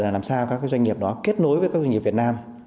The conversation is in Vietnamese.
làm sao các doanh nghiệp đó kết nối với các doanh nghiệp việt nam